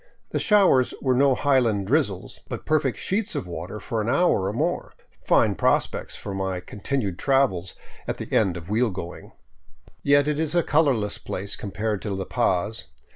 The showers were no highland drizzles, but perfect sheets of water for an hour or more — fine prospects for my continued travels at the end of wheel going ! Yet it is a colorless place compared to La Paz.